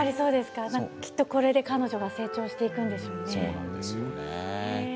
きっとこれで彼女も成長していくんでしょうね。